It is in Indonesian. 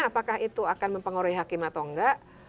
apakah itu akan mempengaruhi hakim atau enggak